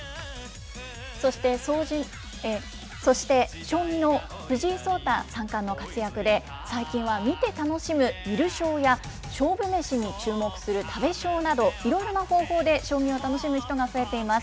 そして、将棋の藤井聡太三冠の活躍で、最近は観て楽しむ観る将や勝負飯に注目する食べ将など、いろいろな方法で将棋を楽しむ人が増えています。